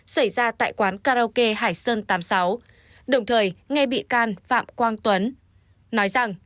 xảy ra tại quán karaoke hải sơn tám mươi sáu đồng thời nghe bị can phạm quang tuấn nói rằng